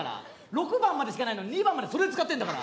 ６番までしかないのに２番までそれ使ってんだから。